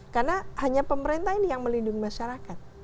karena hanya pemerintah ini yang melindungi masyarakat